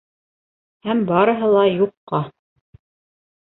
Һәм барыһы ла юҡҡа...